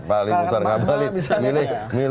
pahali mutar nggak balik